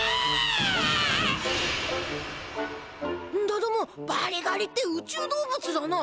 だどもバリガリって宇宙動物だな。